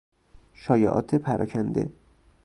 شایعات پراکنده